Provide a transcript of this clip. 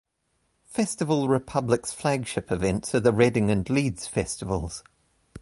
Festival Republic's flagship events are the Reading and Leeds Festivals.